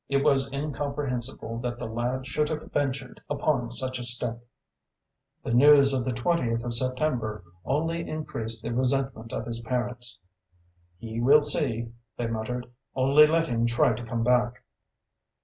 It was incomprehensible that the lad should have ventured upon such a step. The news of the 20th of September only increased the resentment of his parents. "He will see," they muttered. "Only let him try to come back!"